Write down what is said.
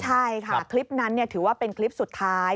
ใช่ค่ะคลิปนั้นถือว่าเป็นคลิปสุดท้าย